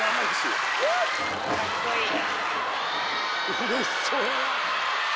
うれしそうやな。